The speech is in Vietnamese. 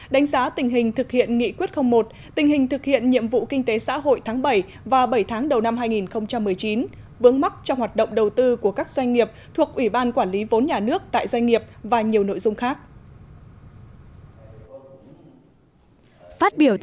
đánh giá tình hình thực hiện nghị quyết không một tình hình thực hiện nhiệm vụ kinh tế xã hội tháng bảy và bảy tháng đầu năm hai nghìn một mươi chín